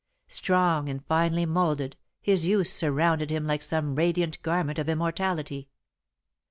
Strong and finely moulded, his youth surrounded him like some radiant garment of immortality.